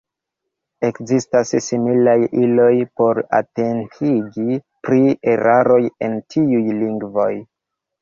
Ekzistas similaj iloj por atentigi pri eraroj en tiuj lingvoj.